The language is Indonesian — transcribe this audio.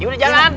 ya udah jalan